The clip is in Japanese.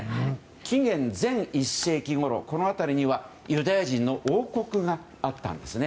紀元前１世紀ごろ、この辺りにはユダヤ人の王国があったんです。